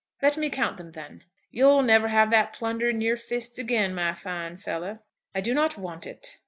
"Let me count them then." "You'll never have that plunder in your fists again, my fine fellow." "I do not want it."